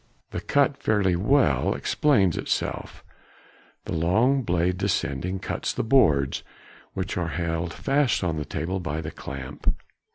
The cut fairly well explains itself; the long blade descending cuts the boards, which are held fast on the table by the clamp.